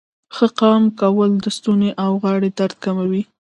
ښه قام کول د ستونې او غاړې درد کموي.